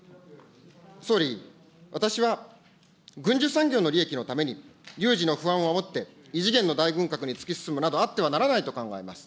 総理、私は軍需産業の利益のために、有事の不安をあおって異次元の大軍拡に突き進むなど、あってはならないと考えます。